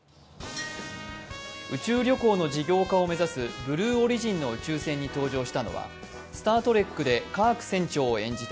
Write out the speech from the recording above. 宇宙旅行の事業化を目指すブルーオリジンの宇宙船に搭乗したのは「スター・トレック」でカーク船長を演じた